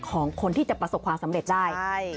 ของคนที่จะประสบความสำเร็จได้